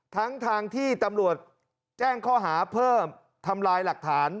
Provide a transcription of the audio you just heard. ทั้งทางที่ตำรวจแจ้งข้อหาเพิ่มทำลายหลักฐาน